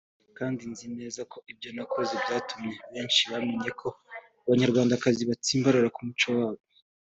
kandi nzi neza ko ibyo nakoze byatumye benshi bamenya ko abanyarwandakazi batsimbarara ku muco wabo